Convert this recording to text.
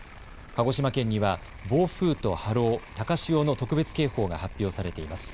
鹿児島県には暴風と波浪、高潮の特別警報が発表されています。